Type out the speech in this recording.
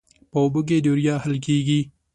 په اوبو کې د یوریا حل کیږي.